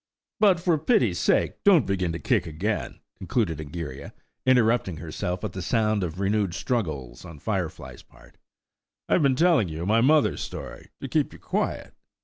But, for pity's sake, don't begin to kick again," concluded Egeria, interrupting herself at the sound of renewed struggles on Firefly's part. "I have been telling you my mother's story to keep you quiet."